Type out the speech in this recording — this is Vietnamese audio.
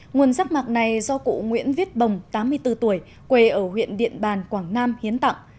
nguồn rác mạc này do cụ nguyễn viết bồng tám mươi bốn tuổi quê ở huyện điện bàn quảng nam hiến tặng